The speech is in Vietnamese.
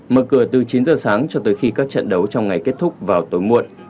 mở cửa từ chín giờ sáng cho tới khi các trận đấu trong ngày kết thúc vào tối muộn